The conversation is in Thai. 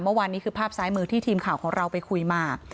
เมื่อวานนี้คือภาพซ้ายมือที่ทีมข่าวของเราไปคุยมา